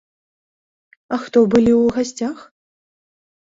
А хто былі ў гасцях?